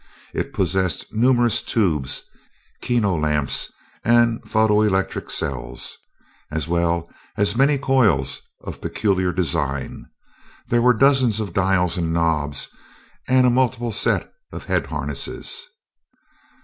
It possessed numerous tubes, kino lamps, and photo electric cells, as well as many coils of peculiar design there were dozens of dials and knobs, and a multiple set of head harnesses.